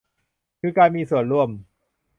คือการมีส่วนร่วม